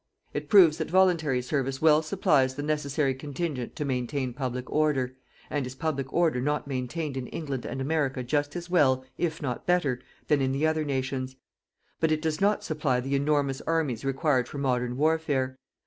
It proves that voluntary service well supplies the necessary contingent to maintain public order (and is public order not maintained in England and America just as well, if not better, than in the other nations?) but it does not supply the enormous armies required for modern warfare.